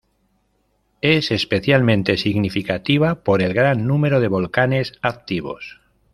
Es especialmente significativa por el gran número de volcanes activos.